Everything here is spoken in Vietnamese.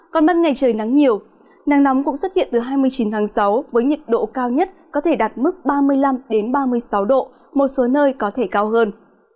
còn ban ngày trời nắng nhiều nắng nóng cũng xuất hiện từ hai mươi chín tháng sáu với nhiệt độ cao nhất có thể đạt mức ba mươi năm ba mươi sáu độ một số nơi có thể cao hơn